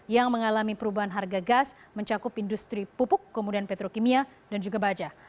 yang mengalami perubahan harga gas mencakup industri pupuk kemudian petrokimia dan juga baja